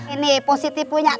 ini positi punya